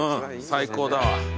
最高だわ。